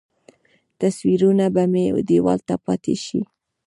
تصویرونه به مې دیوال ته پاتې شي.